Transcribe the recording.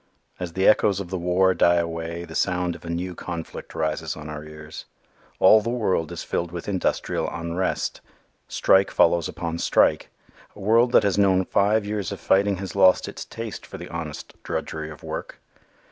As the echoes of the war die away the sound of a new conflict rises on our ears. All the world is filled with industrial unrest. Strike follows upon strike. A world that has known five years of fighting has lost its taste for the honest drudgery of work.